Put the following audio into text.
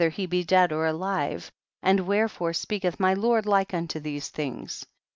175 he be dead or alive, and wherefore speaketh my lord like unto these things ?